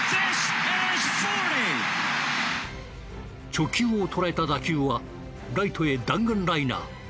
直球をとらえた打球はライトへ弾丸ライナー。